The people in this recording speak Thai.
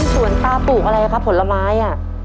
ส่วนตาปลูกอะไรครับผลไม้